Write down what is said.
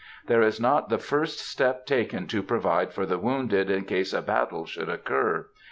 There is not the first step taken to provide for the wounded in case a battle should occur.